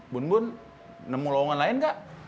bun bun nemu lowongan lain nggak